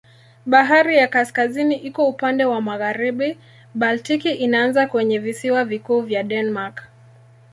Bahari ya Kaskazini iko upande wa magharibi, Baltiki inaanza kwenye visiwa vikuu vya Denmark.